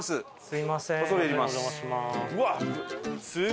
すみません。